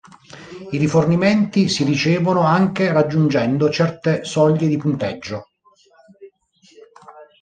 I rifornimenti si ricevono anche raggiungendo certe soglie di punteggio.